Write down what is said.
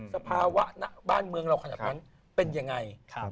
สภาวะณบ้านเมืองเราขนาดนั้นเป็นยังไง